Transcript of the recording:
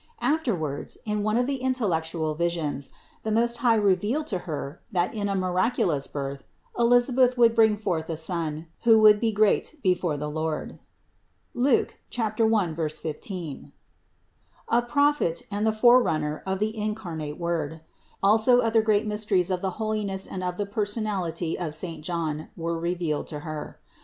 Afterwards, in one of the intellectual visions, the Most High revealed to Her, that in a miraculous birth, Elisabeth would bring forth a son, who would be great before the Lord (Luke 1, 15) ; a Prophet and the Forerunner of the incarnate Word; also other great mysteries of the holiness and of the per sonality of saint John were revealed to Her.